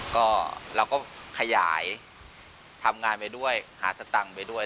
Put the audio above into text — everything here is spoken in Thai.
ก็เราก็ขยายทำงานไปด้วยหาสตังค์ไปด้วย